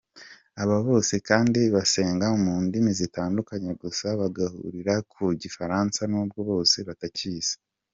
Aba bose kandi basenga mu ndimi zitandukanye gusa bagahurira ku Gifaransa nubwo bose batakizi.